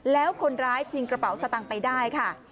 แล้วคนร้ายชิงกระเป๋าสตางค์ไปได้ค่ะ